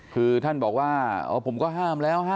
คือท่านบอกว่าผมก็ห้ามแล้ว